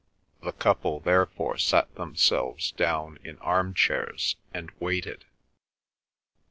The couple therefore sat themselves down in arm chairs and waited.